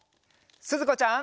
すずこちゃん。